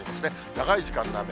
長い時間の雨。